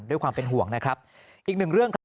ด้วยความเป็นห่วงนะครับอีกหนึ่งเรื่องครับ